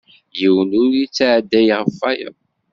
Yiwen ur yetɛedday ɣef wayeḍ.